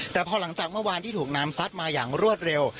แต่พอหลังจากเมื่อวานที่ถูกน้ำซัดมาอย่างรวดเร็ว